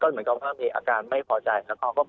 ก็เหมือนกับว่าเป็นอาการไม่พอใจ